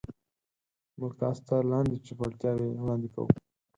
موږ تاسو ته لاندې چوپړتیاوې وړاندې کوو.